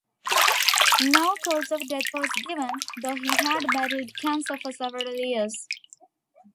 No cause of death was given, though he had battled cancer for several years.